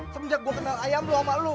semenjak gua kenal ayam lu sama lu